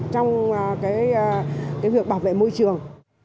trong cái việc bảo vệ môi trường